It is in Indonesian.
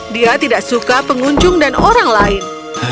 dia tidak suka pengunjung dan orang lain